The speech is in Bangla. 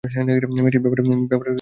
মেয়েটির ব্যাপারে খোঁজ নিতে হবে।